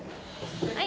はい！